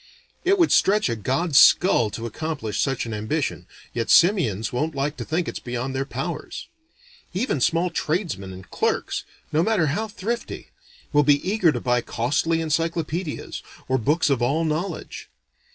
It would stretch a god's skull to accomplish such an ambition, yet simians won't like to think it's beyond their powers. Even small tradesmen and clerks, no matter how thrifty, will be eager to buy costly encyclopedias, or books of all knowledge.